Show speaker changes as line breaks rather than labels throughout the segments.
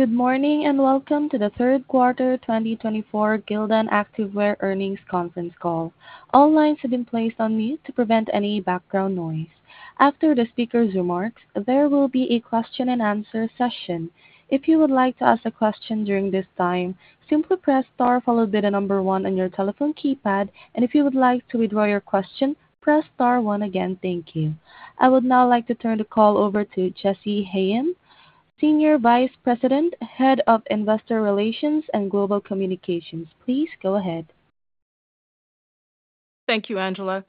Good morning and welcome to the Third Quarter 2024 Gildan Activewear Earnings Conference Call. All lines have been placed on mute to prevent any background noise. After the speaker's remarks, there will be a question and answer session. If you would like to ask a question during this time, simply press star followed by the number one on your telephone keypad, and if you would like to withdraw your question, press star one again. Thank you. I would now like to turn the call over to Jessy Hayem, Senior Vice President, Head of Investor Relations and Global Communications. Please go ahead.
Thank you, Angela.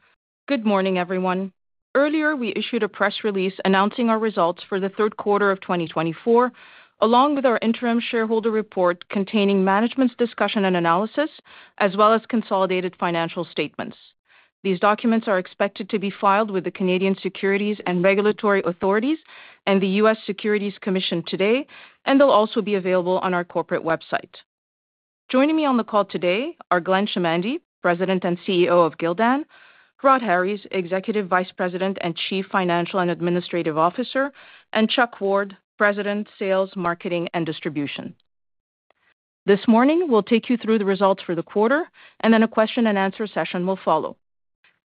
Good morning, everyone. Earlier, we issued a press release announcing our results for the third quarter of 2024, along with our interim shareholder report containing management's discussion and analysis, as well as consolidated financial statements. These documents are expected to be filed with the Canadian Securities and Regulatory Authorities and the U.S. Securities and Exchange Commission today, and they'll also be available on our corporate website. Joining me on the call today are Glenn Chamandy, President and CEO of Gildan; Rhodri Harries, Executive Vice President and Chief Financial and Administrative Officer; and Chuck Ward, President, Sales, Marketing, and Distribution. This morning, we'll take you through the results for the quarter, and then a question and answer session will follow.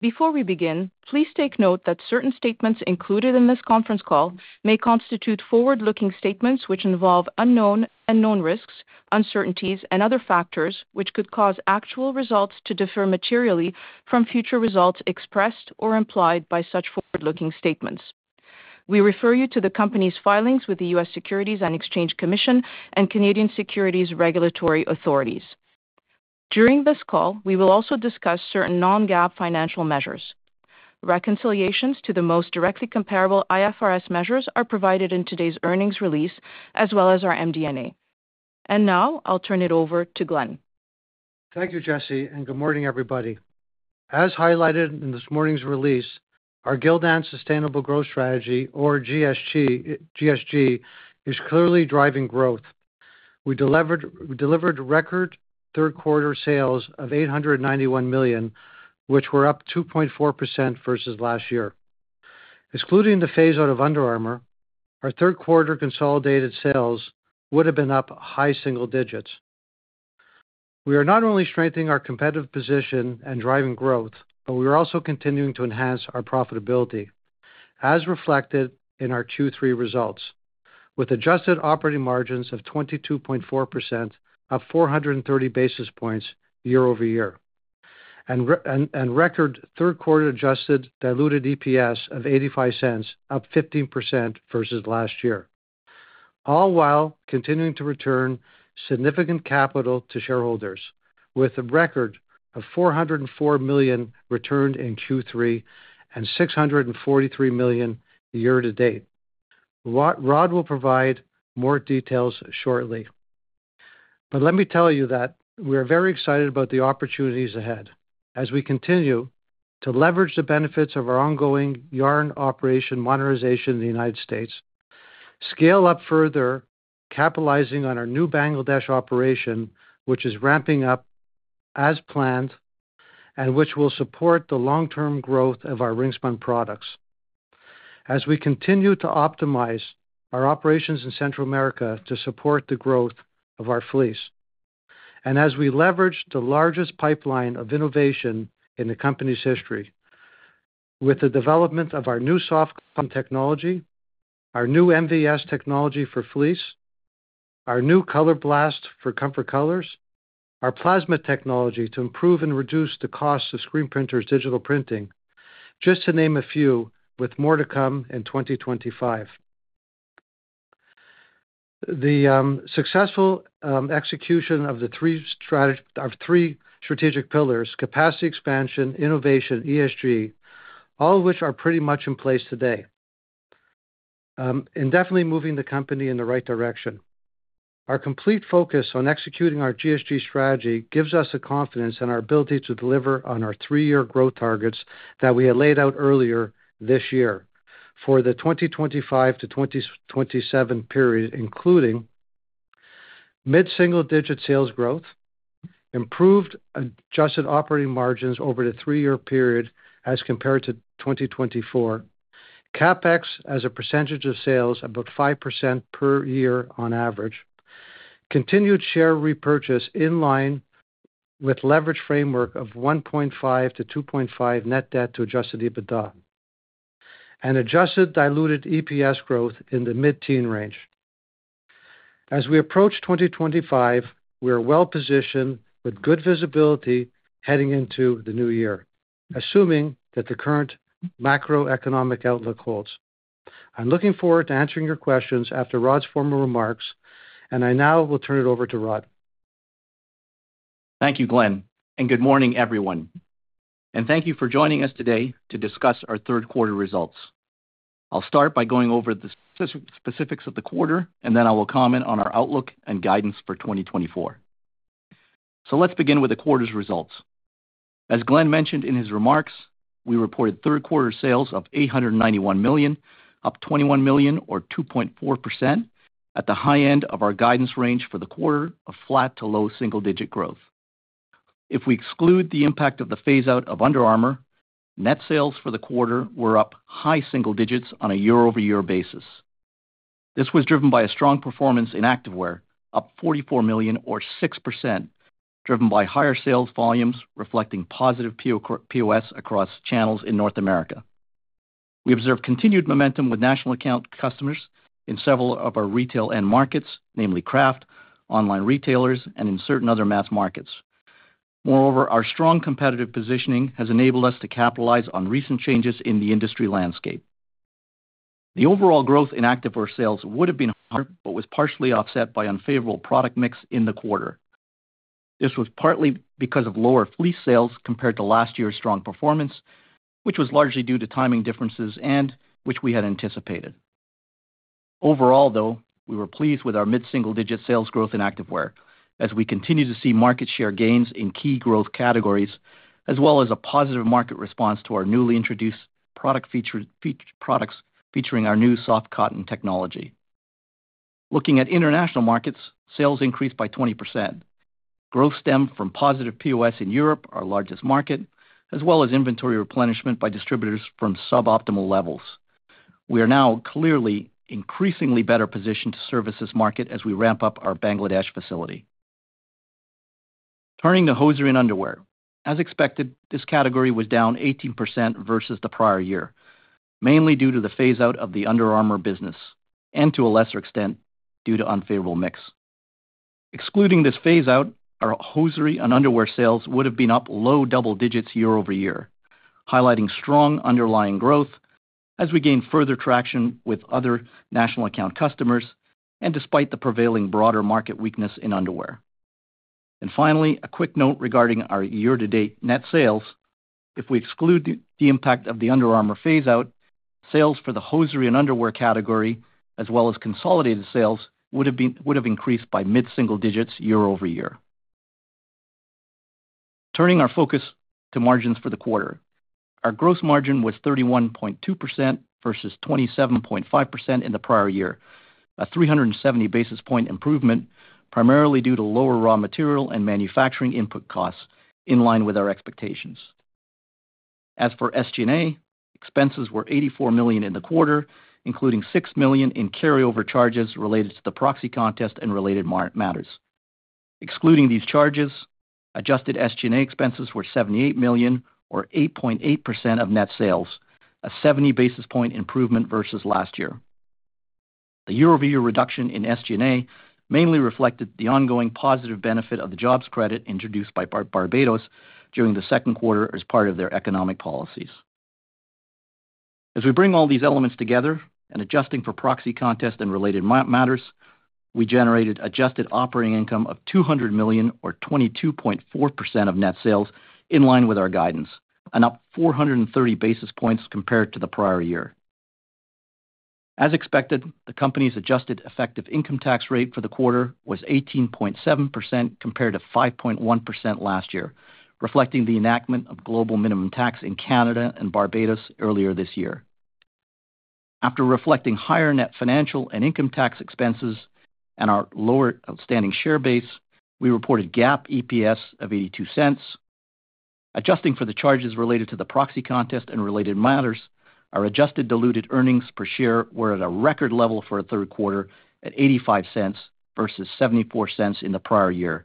Before we begin, please take note that certain statements included in this conference call may constitute forward-looking statements which involve unknown and known risks, uncertainties, and other factors which could cause actual results to differ materially from future results expressed or implied by such forward-looking statements. We refer you to the company's filings with the U.S. Securities and Exchange Commission and Canadian Securities and Regulatory Authorities. During this call, we will also discuss certain non-GAAP financial measures. Reconciliations to the most directly comparable IFRS measures are provided in today's earnings release, as well as our MD&A. And now, I'll turn it over to Glenn.
Thank you, Jessy, and good morning, everybody. As highlighted in this morning's release, our Gildan Sustainable Growth Strategy, or GSG, is clearly driving growth. We delivered record third quarter sales of $891 million, which were up 2.4% versus last year. Excluding the phase-out of Under Armour, our third quarter consolidated sales would have been up high single-digits. We are not only strengthening our competitive position and driving growth, but we are also continuing to enhance our profitability, as reflected in our Q3 results, with adjusted operating margins of 22.4%, up 430 basis points year-over-year, and record third quarter adjusted diluted EPS of $0.85, up 15% versus last year, all while continuing to return significant capital to shareholders, with a record of $404 million returned in Q3 and $643 million year to date. Rhod will provide more details shortly. But let me tell you that we are very excited about the opportunities ahead as we continue to leverage the benefits of our ongoing yarn operation modernization in the United States, scale up further, capitalizing on our new Bangladesh operation, which is ramping up as planned and which will support the long-term growth of our ring spun products, as we continue to optimize our operations in Central America to support the growth of our fleece, and as we leverage the largest pipeline of innovation in the company's history with the development of our new soft technology, our new MVS technology for fleece, our new Color Blast for Comfort Colors, our plasma technology to improve and reduce the cost of screen printers' digital printing, just to name a few, with more to come in 2025. The successful execution of the three strategic pillars, capacity expansion, innovation, ESG, all of which are pretty much in place today, is definitely moving the company in the right direction. Our complete focus on executing our GSG strategy gives us the confidence and our ability to deliver on our three-year growth targets that we had laid out earlier this year for the 2025-2027 period, including mid-single digit sales growth, improved adjusted operating margins over the three-year period as compared to 2024, CapEx as a percentage of sales about 5% per year on average, continued share repurchase in line with leverage framework of 1.5-2.5 net debt to adjusted EBITDA, and adjusted diluted EPS growth in the mid-teen range. As we approach 2025, we are well positioned with good visibility heading into the new year, assuming that the current macroeconomic outlook holds. I'm looking forward to answering your questions after Rhod's formal remarks, and I now will turn it over to Rhod.
Thank you, Glenn, and good morning, everyone. And thank you for joining us today to discuss our third quarter results. I'll start by going over the specifics of the quarter, and then I will comment on our outlook and guidance for 2024. So let's begin with the quarter's results. As Glenn mentioned in his remarks, we reported third quarter sales of $891 million, up $21 million, or 2.4%, at the high end of our guidance range for the quarter of flat to low single digit growth. If we exclude the impact of the phase-out of Under Armour, net sales for the quarter were up high single-digits on a year-over-year basis. This was driven by a strong performance in Activewear, up $44 million, or 6%, driven by higher sales volumes reflecting positive POS across channels in North America. We observed continued momentum with national account customers in several of our retail end markets, namely craft, online retailers, and in certain other mass markets. Moreover, our strong competitive positioning has enabled us to capitalize on recent changes in the industry landscape. The overall growth in Activewear sales would have been higher, but was partially offset by unfavorable product mix in the quarter. This was partly because of lower fleece sales compared to last year's strong performance, which was largely due to timing differences and which we had anticipated. Overall, though, we were pleased with our mid-single digit sales growth in Activewear, as we continue to see market share gains in key growth categories, as well as a positive market response to our newly introduced product featuring our new Soft Cotton technology. Looking at international markets, sales increased by 20%. Growth stemmed from positive POS in Europe, our largest market, as well as inventory replenishment by distributors from suboptimal levels. We are now clearly increasingly better positioned to service this market as we ramp up our Bangladesh facility. Turning to Hosiery and Underwear. As expected, this category was down 18% versus the prior year, mainly due to the phase-out of the Under Armour business and to a lesser extent due to unfavorable mix. Excluding this phase-out, our Hosiery and Underwear sales would have been up low double digits year-over-year, highlighting strong underlying growth as we gained further traction with other national account customers and despite the prevailing broader market weakness in underwear. Finally, a quick note regarding our year-to-date net sales. If we exclude the impact of the Under Armour phase-out, sales for the Hosiery and Underwear category, as well as consolidated sales, would have increased by mid-single-digits year-over-year. Turning our focus to margins for the quarter. Our gross margin was 31.2% versus 27.5% in the prior year, a 370 basis points improvement, primarily due to lower raw material and manufacturing input costs in line with our expectations. As for SG&A, expenses were $84 million in the quarter, including $6 million in carryover charges related to the proxy contest and related matters. Excluding these charges, adjusted SG&A expenses were $78 million, or 8.8% of net sales, a 70 basis points improvement versus last year. The year-over-year reduction in SG&A mainly reflected the ongoing positive benefit of the jobs credit introduced by Barbados during the second quarter as part of their economic policies. As we bring all these elements together and adjusting for proxy contest and related matters, we generated adjusted operating income of $200 million, or 22.4% of net sales, in line with our guidance, and up 430 basis points compared to the prior year. As expected, the company's adjusted effective income tax rate for the quarter was 18.7% compared to 5.1% last year, reflecting the enactment of Global Minimum Tax in Canada and Barbados earlier this year. After reflecting higher net financial and income tax expenses and our lower outstanding share base, we reported GAAP EPS of $0.82. Adjusting for the charges related to the proxy contest and related matters, our adjusted diluted earnings per share were at a record level for a third quarter at $0.85 versus $0.74 in the prior year,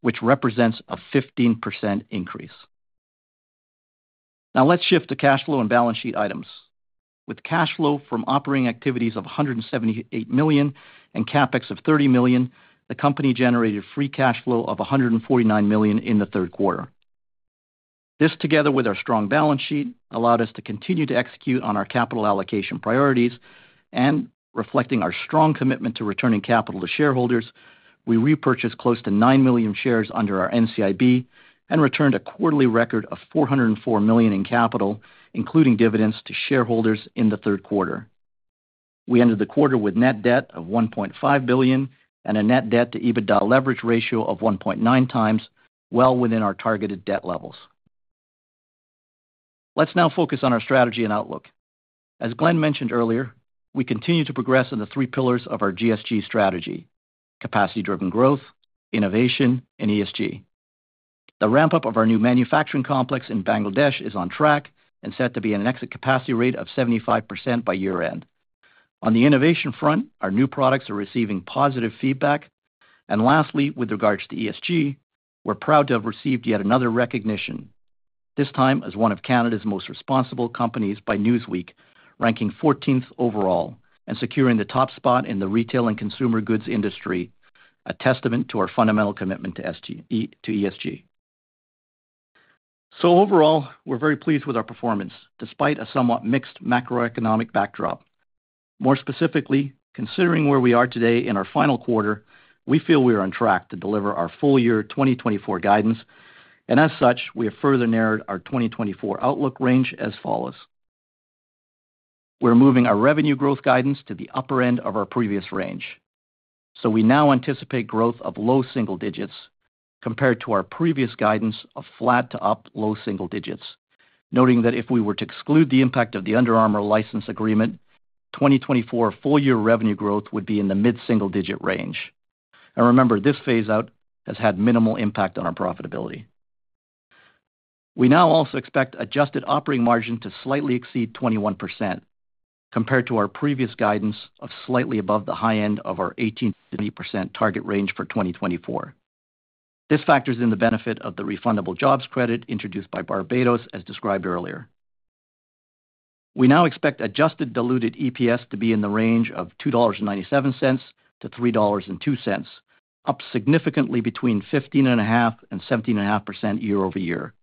which represents a 15% increase. Now, let's shift to cash flow and balance sheet items. With cash flow from operating activities of $178 million and CapEx of $30 million, the company generated free cash flow of $149 million in the third quarter. This, together with our strong balance sheet, allowed us to continue to execute on our capital allocation priorities, and reflecting our strong commitment to returning capital to shareholders, we repurchased close to nine million shares under our NCIB and returned a quarterly record of $404 million in capital, including dividends, to shareholders in the third quarter. We ended the quarter with net debt of $1.5 billion and a net debt to EBITDA leverage ratio of 1.9 times, well within our targeted debt levels. Let's now focus on our strategy and outlook. As Glenn mentioned earlier, we continue to progress in the three pillars of our GSG strategy: capacity-driven growth, innovation, and ESG. The ramp-up of our new manufacturing complex in Bangladesh is on track and set to be an exit capacity rate of 75% by year-end. On the innovation front, our new products are receiving positive feedback, and lastly, with regards to ESG, we're proud to have received yet another recognition, this time as one of Canada's most responsible companies by Newsweek, ranking 14th overall and securing the top spot in the retail and consumer goods industry, a testament to our fundamental commitment to ESG, so overall, we're very pleased with our performance despite a somewhat mixed macroeconomic backdrop. More specifically, considering where we are today in our final quarter, we feel we are on track to deliver our full year 2024 guidance, and as such, we have further narrowed our 2024 outlook range as follows. We're moving our revenue growth guidance to the upper end of our previous range. We now anticipate growth of low single-digits compared to our previous guidance of flat to up low single-digits, noting that if we were to exclude the impact of the Under Armour license agreement, 2024 full year revenue growth would be in the mid-single digit range. And remember, this phase-out has had minimal impact on our profitability. We now also expect adjusted operating margin to slightly exceed 21% compared to our previous guidance of slightly above the high end of our 18% target range for 2024. This factor is in the benefit of the refundable jobs credit introduced by Barbados, as described earlier. We now expect adjusted diluted EPS to be in the range of $2.97-$3.02, up significantly between 15.5% and 17.5% year-over-year,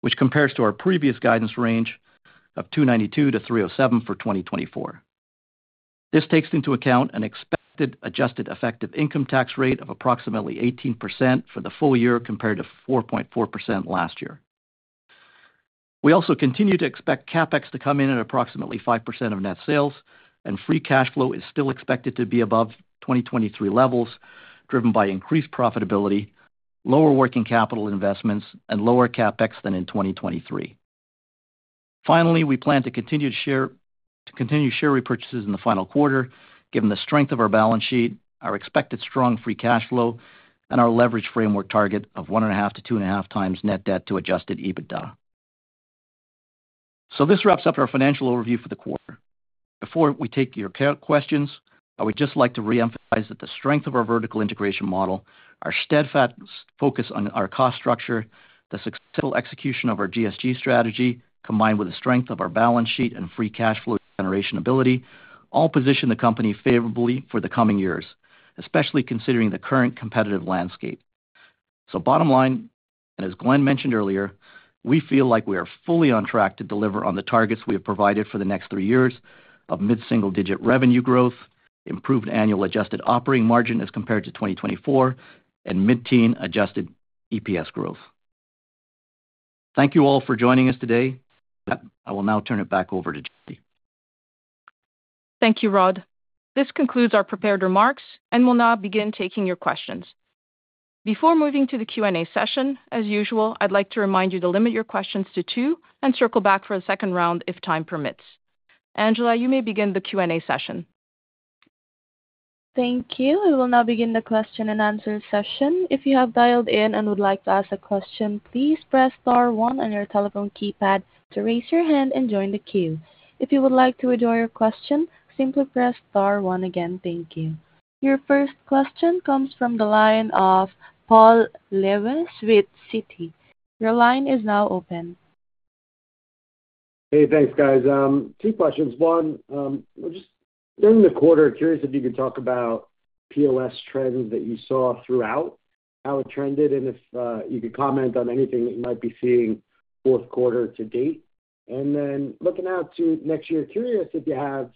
which compares to our previous guidance range of $2.92-$3.07 for 2024. This takes into account an expected adjusted effective income tax rate of approximately 18% for the full year compared to 4.4% last year. We also continue to expect CapEx to come in at approximately 5% of net sales, and free cash flow is still expected to be above 2023 levels, driven by increased profitability, lower working capital investments, and lower CapEx than in 2023. Finally, we plan to continue share repurchases in the final quarter, given the strength of our balance sheet, our expected strong free cash flow, and our leverage framework target of 1.5-2.5 times net debt to adjusted EBITDA. So this wraps up our financial overview for the quarter. Before we take your questions, I would just like to re-emphasize that the strength of our vertical integration model, our steadfast focus on our cost structure, the successful execution of our GSG strategy, combined with the strength of our balance sheet and free cash flow generation ability, all position the company favorably for the coming years, especially considering the current competitive landscape. So bottom line, as Glenn mentioned earlier, we feel like we are fully on track to deliver on the targets we have provided for the next three years of mid-single digit revenue growth, improved annual adjusted operating margin as compared to 2024, and mid-teen adjusted EPS growth. Thank you all for joining us today. I will now turn it back over to Jessy.
Thank you, Rhod. This concludes our prepared remarks and will now begin taking your questions. Before moving to the Q&A session, as usual, I'd like to remind you to limit your questions to two and circle back for a second round if time permits. Angela, you may begin the Q&A session.
Thank you. We will now begin the question and answer session. If you have dialed in and would like to ask a question, please press star one on your telephone keypad to raise your hand and join the queue. If you would like to withdraw your question, simply press star one again. Thank you. Your first question comes from the line of Paul Lejuez with Citi. Your line is now open.
Hey, thanks, guys. Two questions. One, during the quarter, curious if you could talk about POS trends that you saw throughout, how it trended, and if you could comment on anything that you might be seeing fourth quarter to date, and then looking out to next year, curious if you have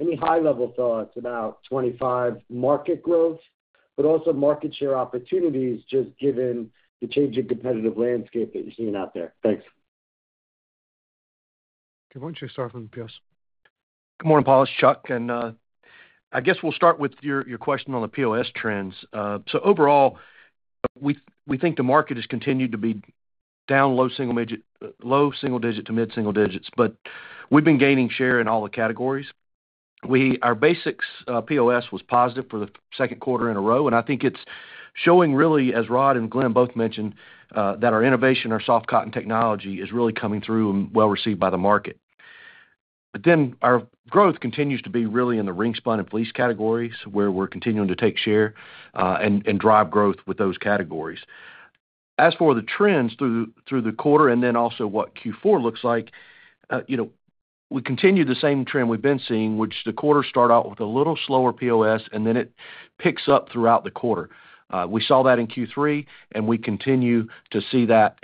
any high-level thoughts about 2025 market growth, but also market share opportunities, just given the change in competitive landscape that you're seeing out there. Thanks.
Okay. Why don't you start from the POS?
Good morning, Paul. It's Chuck. And I guess we'll start with your question on the POS trends. So overall, we think the market has continued to be down low single digit to mid-single-digits, but we've been gaining share in all the categories. Our basics POS was positive for the second quarter in a row, and I think it's showing, really, as Rhod and Glenn both mentioned, that our innovation, our Soft Cotton technology, is really coming through and well received by the market. But then our growth continues to be really in the ring spun and fleece categories, where we're continuing to take share and drive growth with those categories. As for the trends through the quarter and then also what Q4 looks like, we continue the same trend we've been seeing, which the quarter starts out with a little slower POS, and then it picks up throughout the quarter. We saw that in Q3, and we continue to see that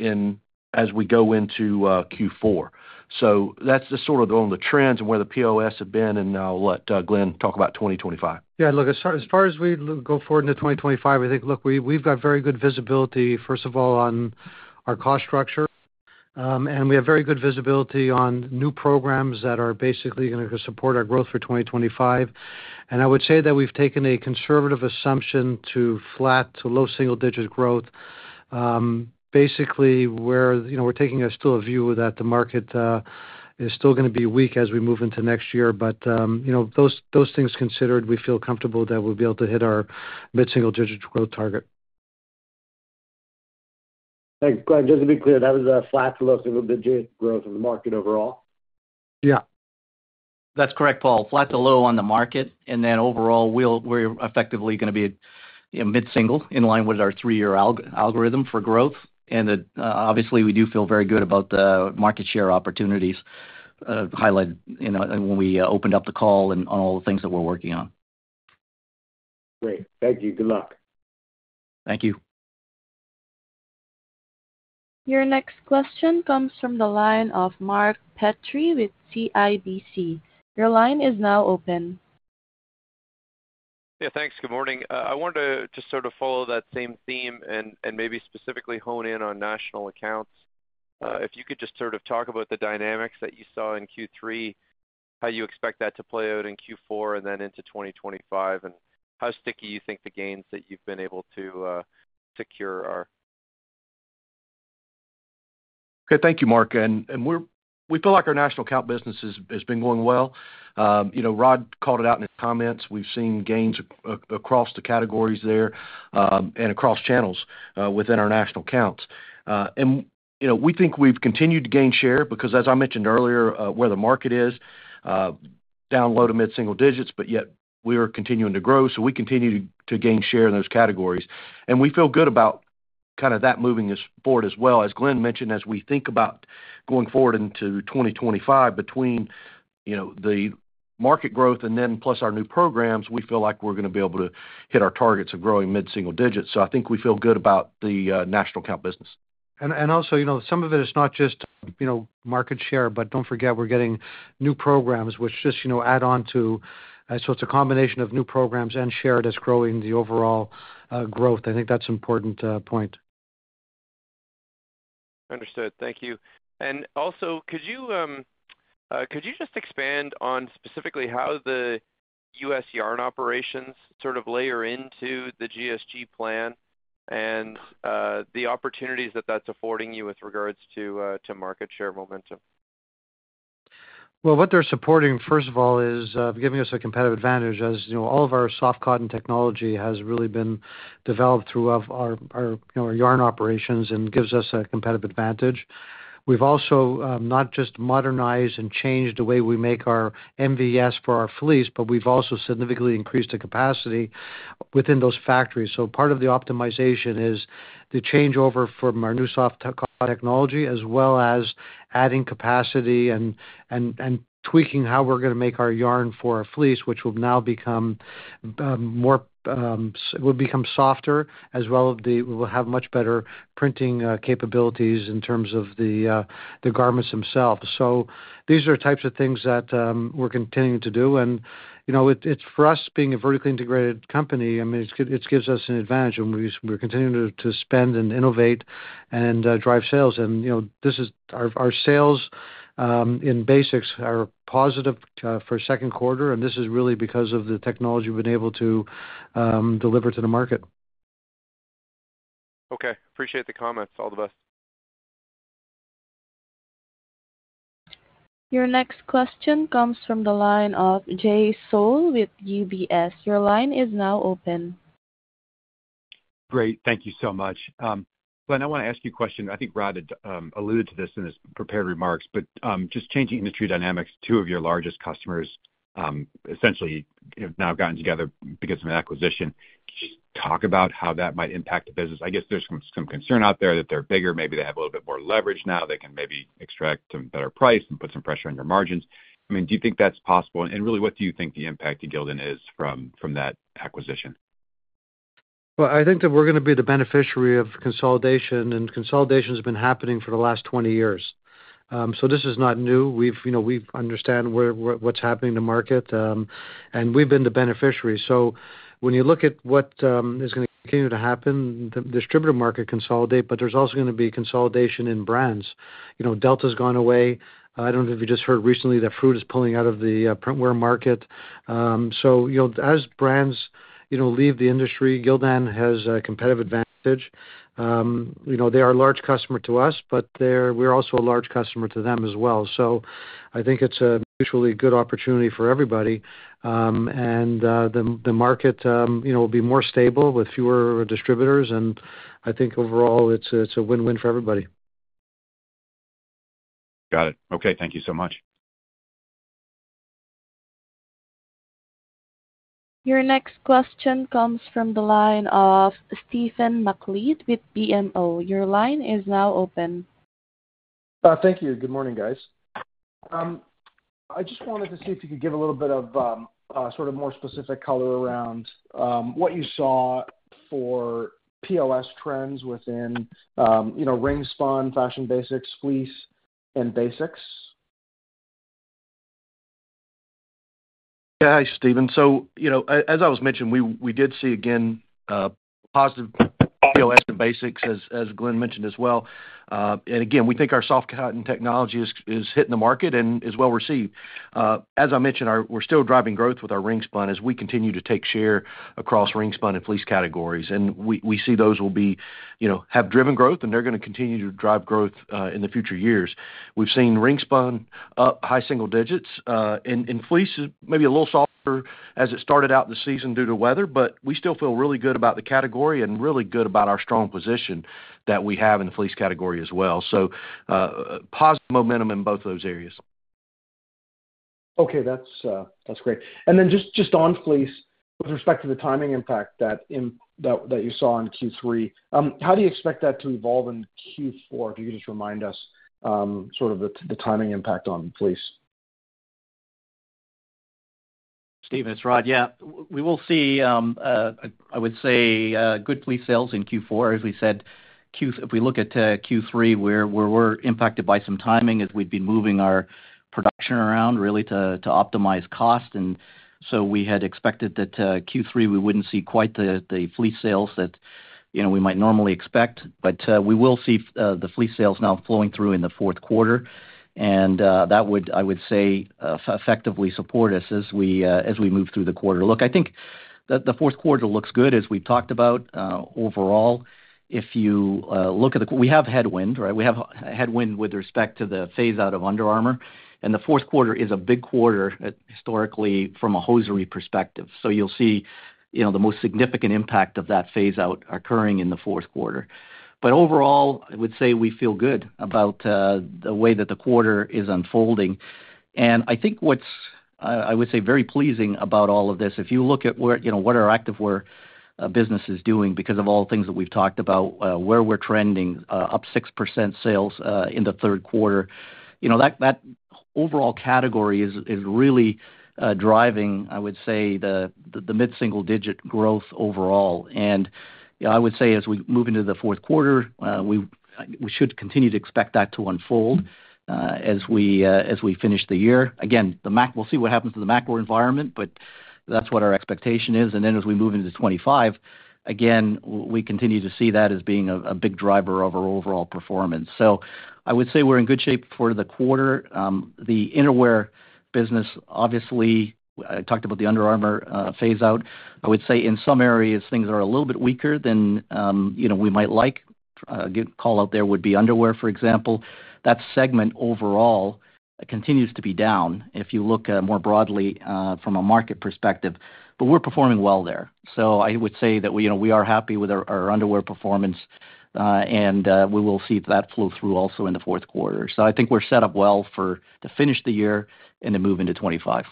as we go into Q4. So that's just sort of on the trends and where the POS have been, and I'll let Glenn talk about 2025.
Yeah. Look, as far as we go forward into 2025, I think, look, we've got very good visibility, first of all, on our cost structure, and we have very good visibility on new programs that are basically going to support our growth for 2025. And I would say that we've taken a conservative assumption to flat to low single digit growth, basically where we're taking still a view that the market is still going to be weak as we move into next year. But those things considered, we feel comfortable that we'll be able to hit our mid-single digit growth target.
Thanks, Glenn. Just to be clear, that was a flat to low single-digit growth in the market overall?
Yeah. That's correct, Paul. Flat to low on the market, and then overall, we're effectively going to be mid-single in line with our three-year algorithm for growth, and obviously, we do feel very good about the market share opportunities highlighted when we opened up the call and on all the things that we're working on.
Great. Thank you. Good luck.
Thank you.
Your next question comes from the line of Mark Petrie with CIBC. Your line is now open.
Yeah. Thanks. Good morning. I wanted to just sort of follow that same theme and maybe specifically hone in on national accounts. If you could just sort of talk about the dynamics that you saw in Q3, how you expect that to play out in Q4 and then into 2025, and how sticky you think the gains that you've been able to secure are?
Okay. Thank you, Mark. And we feel like our national account business has been going well. Rhod called it out in his comments. We've seen gains across the categories there and across channels within our national accounts. And we think we've continued to gain share because, as I mentioned earlier, where the market is, down low to mid-single-digits, but yet we are continuing to grow. So we continue to gain share in those categories. And we feel good about kind of that moving us forward as well. As Glenn mentioned, as we think about going forward into 2025, between the market growth and then plus our new programs, we feel like we're going to be able to hit our targets of growing mid-single-digits. So I think we feel good about the national account business.
Also, some of it is not just market share, but don't forget we're getting new programs, which just add on to. So it's a combination of new programs and share gains growing the overall growth. I think that's an important point.
Understood. Thank you. And also, could you just expand on specifically how the U.S. yarn operations sort of layer into the GSG plan and the opportunities that that's affording you with regards to market share momentum?
What they're supporting, first of all, is giving us a competitive advantage as all of our Soft Cotton technology has really been developed throughout our yarn operations and gives us a competitive advantage. We've also not just modernized and changed the way we make our MVS for our fleece, but we've also significantly increased the capacity within those factories. Part of the optimization is the changeover from our new Soft Cotton technology as well as adding capacity and tweaking how we're going to make our yarn for our fleece, which will now become softer as well. We will have much better printing capabilities in terms of the garments themselves. These are types of things that we're continuing to do. For us, being a vertically integrated company, I mean, it gives us an advantage. And we're continuing to spend and innovate and drive sales. And our sales in basics are positive for second quarter. And this is really because of the technology we've been able to deliver to the market.
Okay. Appreciate the comments. All the best.
Your next question comes from the line of Jay Sole with UBS. Your line is now open.
Great. Thank you so much. Glenn, I want to ask you a question. I think Rhod alluded to this in his prepared remarks, but just changing industry dynamics, two of your largest customers essentially have now gotten together because of an acquisition. Can you just talk about how that might impact the business? I guess there's some concern out there that they're bigger. Maybe they have a little bit more leverage now. They can maybe extract a better price and put some pressure on your margins. I mean, do you think that's possible? And really, what do you think the impact to Gildan is from that acquisition?
I think that we're going to be the beneficiary of consolidation. Consolidation has been happening for the last 20 years. This is not new. We understand what's happening in the market. We've been the beneficiary. When you look at what is going to continue to happen, the distributor market consolidates, but there's also going to be consolidation in brands. Delta's gone away. I don't know if you just heard recently that Fruit is pulling out of the printwear market. As brands leave the industry, Gildan has a competitive advantage. They are a large customer to us, but we're also a large customer to them as well. I think it's a mutually good opportunity for everybody. The market will be more stable with fewer distributors. Overall, it's a win-win for everybody.
Got it. Okay. Thank you so much.
Your next question comes from the line of Stephen MacLeod with BMO. Your line is now open.
Thank you. Good morning, guys. I just wanted to see if you could give a little bit of sort of more specific color around what you saw for POS trends within ring spun, fashion basics, fleece, and basics?
Yeah. Hi, Stephen. So as I was mentioning, we did see, again, positive POS and basics, as Glenn mentioned as well. And again, we think our Soft Cotton technology is hitting the market and is well received. As I mentioned, we're still driving growth with our Ring Spun as we continue to take share across ring spun and fleece categories. And we see those will have driven growth, and they're going to continue to drive growth in the future years. We've seen ring spun up high single-digits. And fleece is maybe a little softer as it started out the season due to weather, but we still feel really good about the category and really good about our strong position that we have in the fleece category as well. So positive momentum in both those areas.
Okay. That's great. And then just on fleece, with respect to the timing impact that you saw in Q3, how do you expect that to evolve in Q4? If you could just remind us sort of the timing impact on fleece.
Stephen, it's Rhod. Yeah. We will see, I would say, good fleece sales in Q4. As we said, if we look at Q3, we were impacted by some timing as we'd been moving our production around, really, to optimize cost. And so we had expected that Q3, we wouldn't see quite the fleece sales that we might normally expect. But we will see the fleece sales now flowing through in the fourth quarter. And that would, I would say, effectively support us as we move through the quarter. Look, I think the fourth quarter looks good, as we've talked about. Overall, if you look at then we have headwind, right? We have headwind with respect to the phase-out of Under Armour. And the fourth quarter is a big quarter historically from a hosiery perspective. So you'll see the most significant impact of that phase-out occurring in the fourth quarter. But overall, I would say we feel good about the way that the quarter is unfolding. And I think what's, I would say, very pleasing about all of this, if you look at what our Activewear business is doing because of all the things that we've talked about, where we're trending up 6% sales in the third quarter, that overall category is really driving, I would say, the mid-single digit growth overall. And I would say as we move into the fourth quarter, we should continue to expect that to unfold as we finish the year. Again, we'll see what happens to the macro environment, but that's what our expectation is. And then as we move into 2025, again, we continue to see that as being a big driver of our overall performance. So I would say we're in good shape for the quarter. The innerwear business, obviously, I talked about the Under Armour phase-out. I would say in some areas, things are a little bit weaker than we might like. A good call out there would be underwear, for example. That segment overall continues to be down if you look more broadly from a market perspective. But we're performing well there. So I would say that we are happy with our underwear performance, and we will see that flow through also in the fourth quarter. So I think we're set up well to finish the year and to move into 2025.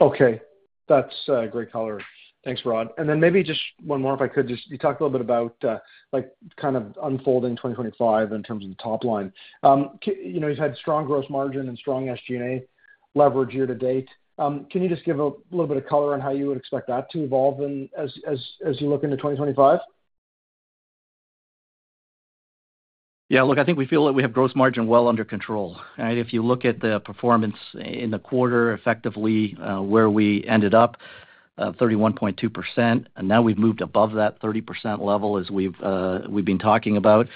Okay. That's a great color. Thanks, Rhod. And then maybe just one more, if I could. You talked a little bit about kind of unfolding 2025 in terms of the top line. You've had strong gross margin and strong SG&A leverage year to date. Can you just give a little bit of color on how you would expect that to evolve as you look into 2025?
Yeah. Look, I think we feel that we have gross margin well under control. If you look at the performance in the quarter, effectively where we ended up, 31.2%. And now we've moved above that 30% level as we've been talking about.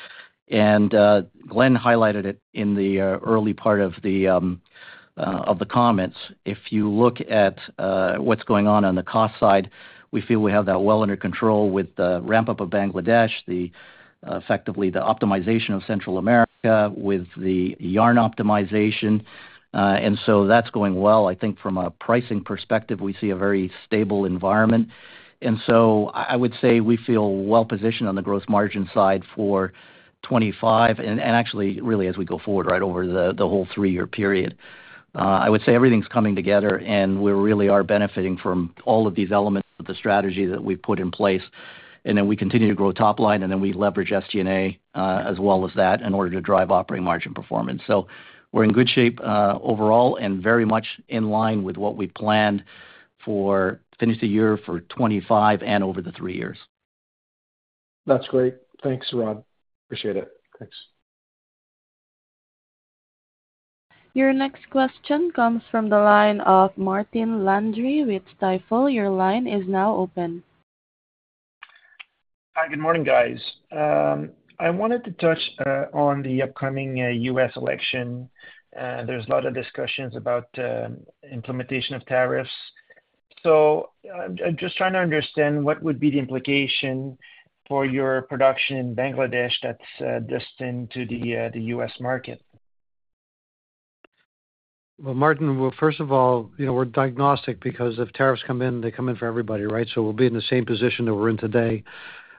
And Glenn highlighted it in the early part of the comments. If you look at what's going on on the cost side, we feel we have that well under control with the ramp-up of Bangladesh, effectively the optimization of Central America with the yarn optimization. And so that's going well. I think from a pricing perspective, we see a very stable environment. And so I would say we feel well positioned on the gross margin side for 2025 and actually, really, as we go forward, right, over the whole three-year period. I would say everything's coming together, and we really are benefiting from all of these elements of the strategy that we've put in place. And then we continue to grow top line, and then we leverage SG&A as well as that in order to drive operating margin performance. So we're in good shape overall and very much in line with what we planned to finish the year for 2025 and over the three years.
That's great. Thanks, Rhod. Appreciate it. Thanks.
Your next question comes from the line of Martin Landry with Stifel. Your line is now open.
Hi, good morning, guys. I wanted to touch on the upcoming U.S. election. There's a lot of discussions about implementation of tariffs. So I'm just trying to understand what would be the implication for your production in Bangladesh that's destined to the U.S. market?
Well, Martin, first of all, we're agnostic because if tariffs come in, they come in for everybody, right? So we'll be in the same position that we're in today.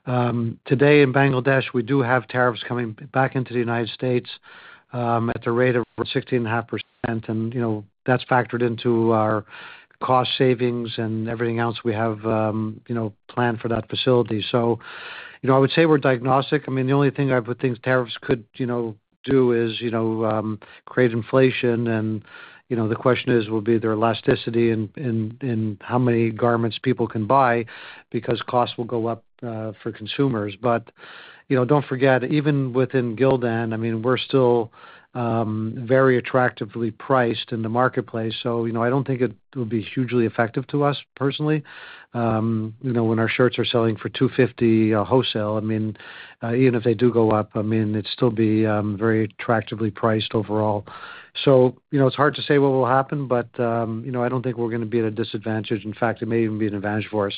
Today in Bangladesh, we do have tariffs coming back into the United States at the rate of 16.5%. And that's factored into our cost savings and everything else we have planned for that facility. So I would say we're agnostic. I mean, the only thing I would think tariffs could do is create inflation. And the question is, will there be any elasticity in how many garments people can buy because costs will go up for consumers. But don't forget, even within Gildan, I mean, we're still very attractively priced in the marketplace. So I don't think it would be hugely effective to us personally. When our shirts are selling for $250 wholesale, I mean, even if they do go up, I mean, it'd still be very attractively priced overall. So it's hard to say what will happen, but I don't think we're going to be at a disadvantage. In fact, it may even be an advantage for us.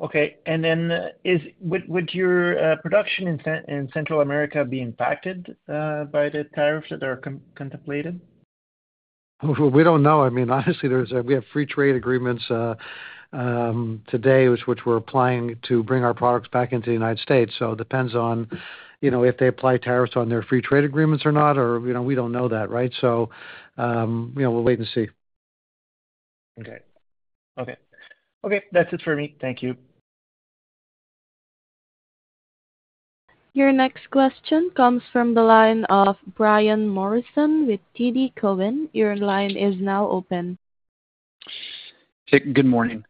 Okay. And then would your production in Central America be impacted by the tariffs that are contemplated?
We don't know. I mean, honestly, we have free trade agreements today, which we're applying to bring our products back into the United States. So it depends on if they apply tariffs on their free trade agreements or not, or we don't know that, right? So we'll wait and see.
Okay. That's it for me. Thank you.
Your next question comes from the line of Brian Morrison with TD Cowen. Your line is now open.
Good morning.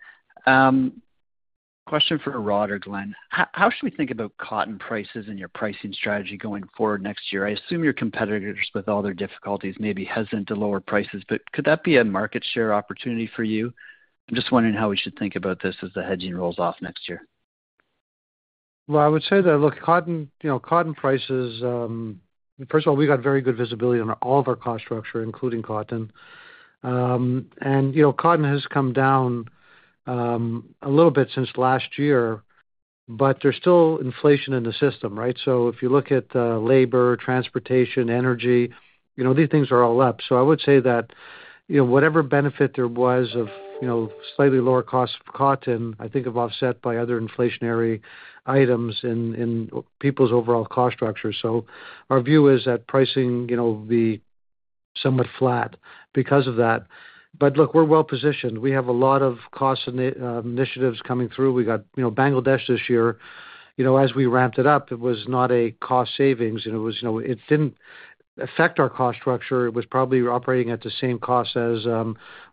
Question for Rhod or Glenn. How should we think about cotton prices and your pricing strategy going forward next year? I assume your competitors, with all their difficulties, may be hesitant to lower prices, but could that be a market share opportunity for you? I'm just wondering how we should think about this as the hedging rolls off next year.
Well, I would say that, look, cotton prices, first of all, we've got very good visibility on all of our cost structure, including cotton. And cotton has come down a little bit since last year, but there's still inflation in the system, right? So if you look at labor, transportation, energy, these things are all up. So I would say that whatever benefit there was of slightly lower costs of cotton, I think, have offset by other inflationary items in people's overall cost structure. So our view is that pricing will be somewhat flat because of that. But look, we're well positioned. We have a lot of cost initiatives coming through. We got Bangladesh this year. As we ramped it up, it was not a cost savings. It didn't affect our cost structure. It was probably operating at the same cost as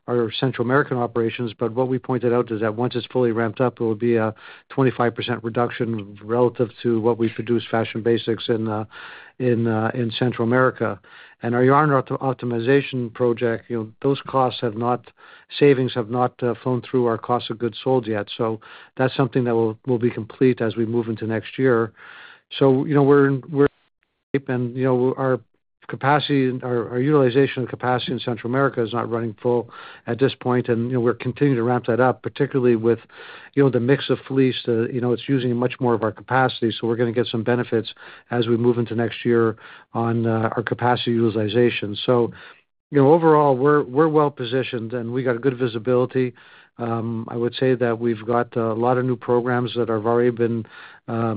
our Central American operations. What we pointed out is that once it's fully ramped up, it will be a 25% reduction relative to what we produce, fashion basics, in Central America. And our yarn optimization project, those cost savings have not flown through our cost of goods sold yet. So that's something that will be complete as we move into next year. So we're in shape. And our utilization of capacity in Central America is not running full at this point. And we're continuing to ramp that up, particularly with the mix of fleece. It's using much more of our capacity. So we're going to get some benefits as we move into next year on our capacity utilization. So overall, we're well positioned, and we've got good visibility. I would say that we've got a lot of new programs that have already been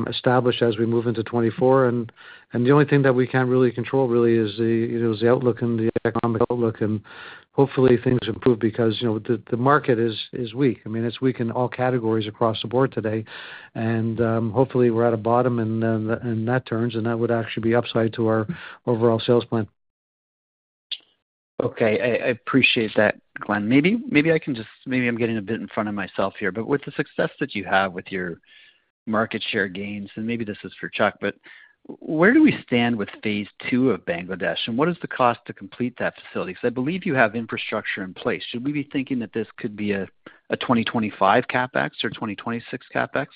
established as we move into 2024. The only thing that we can't really control, really, is the outlook and the economic outlook. Hopefully, things improve because the market is weak. I mean, it's weak in all categories across the board today. Hopefully, we're at a bottom in that terms, and that would actually be upside to our overall sales plan.
Okay. I appreciate that, Glenn. Maybe I'm getting a bit in front of myself here, but with the success that you have with your market share gains, and maybe this is for Chuck, but where do we stand with Phase II of Bangladesh? And what is the cost to complete that facility? Because I believe you have infrastructure in place. Should we be thinking that this could be a 2025 CapEx or 2026 CapEx?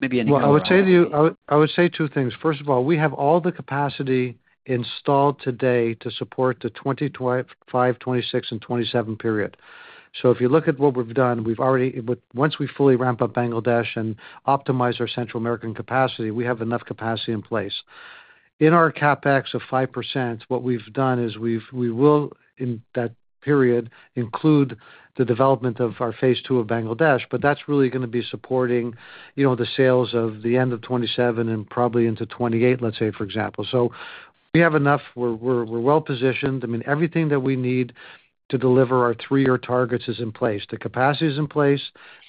Maybe any of that.
I would say two things. First of all, we have all the capacity installed today to support the 2025, 2026, and 2027 period. So if you look at what we've done, once we fully ramp up Bangladesh and optimize our Central American capacity, we have enough capacity in place. In our CapEx of 5%, what we've done is we will, in that period, include the development of our Phase II of Bangladesh, but that's really going to be supporting the sales of the end of 2027 and probably into 2028, let's say, for example. So we have enough. We're well positioned. I mean, everything that we need to deliver our three-year targets is in place. The capacity is in place.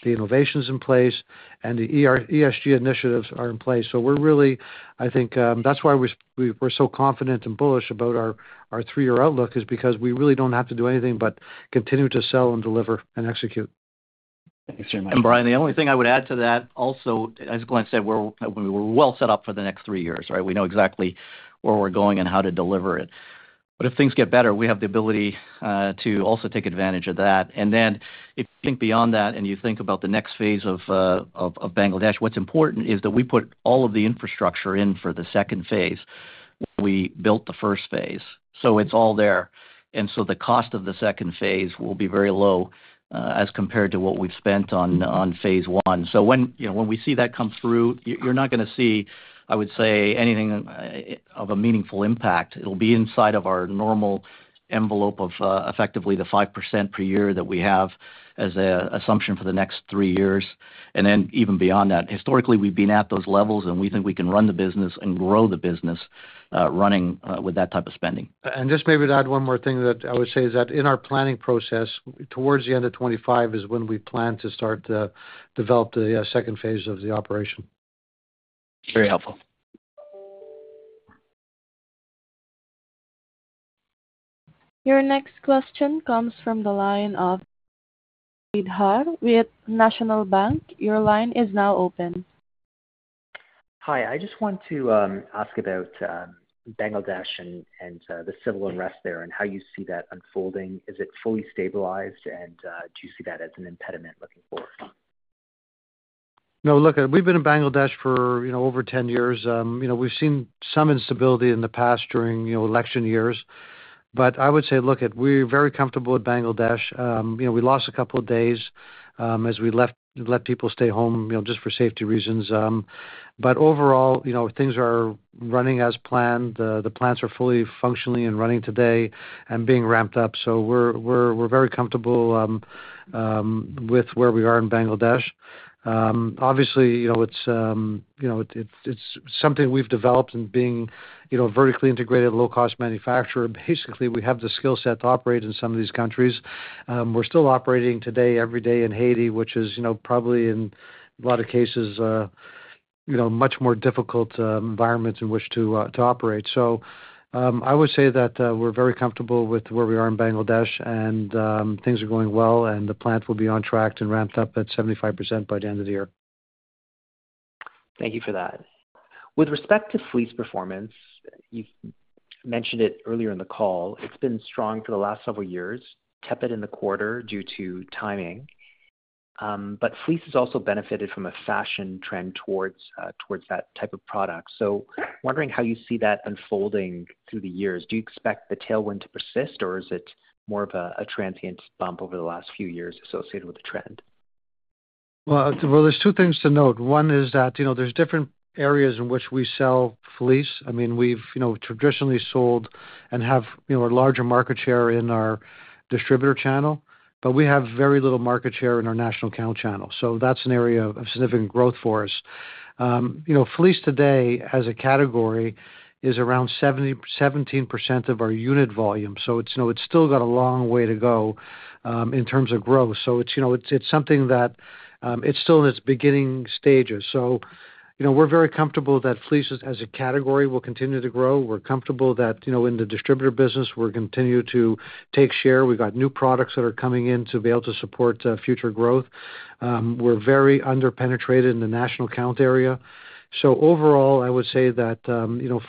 The innovation is in place. And the ESG initiatives are in place. So we're really, I think that's why we're so confident and bullish about our three-year outlook is because we really don't have to do anything but continue to sell and deliver and execute.
Thanks very much.
And Brian, the only thing I would add to that also, as Glenn said, we're well set up for the next three years, right? We know exactly where we're going and how to deliver it. But if things get better, we have the ability to also take advantage of that. And then if you think beyond that and you think about the next phase of Bangladesh, what's important is that we put all of the infrastructure in for the second phase when we built the first phase. So it's all there. And so the cost of the second phase will be very low as compared to what we've spent on Phase I. So when we see that come through, you're not going to see, I would say, anything of a meaningful impact. It'll be inside of our normal envelope of effectively the 5% per year that we have as an assumption for the next three years, and then even beyond that, historically, we've been at those levels, and we think we can run the business and grow the business running with that type of spending.
Just maybe to add one more thing that I would say is that in our planning process, towards the end of 2025 is when we plan to start to develop the second phase of the operation.
Very helpful.
Your next question comes from the line of Vishal Shreedhar with National Bank. Your line is now open.
Hi. I just want to ask about Bangladesh and the civil unrest there and how you see that unfolding. Is it fully stabilized, and do you see that as an impediment looking forward?
No, look, we've been in Bangladesh for over 10 years. We've seen some instability in the past during election years. But I would say, look, we're very comfortable with Bangladesh. We lost a couple of days as we let people stay home just for safety reasons. But overall, things are running as planned. The plants are fully functioning and running today and being ramped up. So we're very comfortable with where we are in Bangladesh. Obviously, it's something we've developed in being a vertically integrated, low-cost manufacturer. Basically, we have the skill set to operate in some of these countries. We're still operating today every day in Haiti, which is probably in a lot of cases a much more difficult environment in which to operate. So I would say that we're very comfortable with where we are in Bangladesh, and things are going well. The plant will be on track and ramped up at 75% by the end of the year.
Thank you for that. With respect to fleece performance, you mentioned it earlier in the call. It's been strong for the last several years, tepid in the quarter due to timing. But fleece has also benefited from a fashion trend towards that type of product. So wondering how you see that unfolding through the years. Do you expect the tailwind to persist, or is it more of a transient bump over the last few years associated with the trend?
There's two things to note. One is that there's different areas in which we sell fleece. I mean, we've traditionally sold and have a larger market share in our distributor channel, but we have very little market share in our national account channel. So that's an area of significant growth for us. Fleece today, as a category, is around 17% of our unit volume. So it's still got a long way to go in terms of growth. So it's something that it's still in its beginning stages. So we're very comfortable that fleece, as a category, will continue to grow. We're comfortable that in the distributor business, we're going to continue to take share. We've got new products that are coming in to be able to support future growth. We're very under-penetrated in the national account area. So overall, I would say that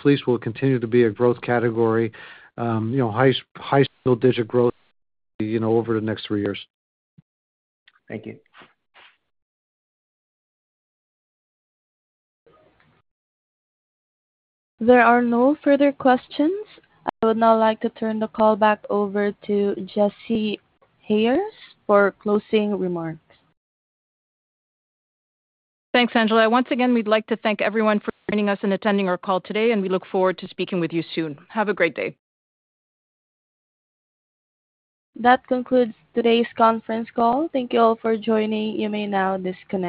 fleece will continue to be a growth category, high single-digit growth over the next three years.
Thank you.
There are no further questions. I would now like to turn the call back over to Jessy Hayem for closing remarks.
Thanks, Angela. Once again, we'd like to thank everyone for joining us and attending our call today, and we look forward to speaking with you soon. Have a great day.
That concludes today's conference call. Thank you all for joining. You may now disconnect.